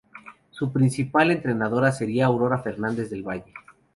Su principal entrenadora sería Aurora Fernández del Valle.